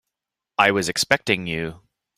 I was expecting you.